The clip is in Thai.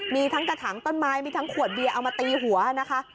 มีทั้งกระถางต้นไม้มีทั้งขวดเบียร์เอามาตีหัวนะคะ